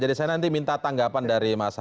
jadi saya nanti minta tanggapan dari mas hasto